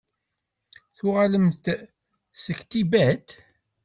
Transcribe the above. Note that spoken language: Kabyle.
Tuɣalemt-d deg Tibet?